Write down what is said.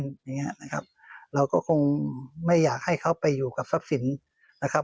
อย่างเงี้ยนะครับเราก็คงไม่อยากให้เขาไปอยู่กับทรัพย์สินนะครับ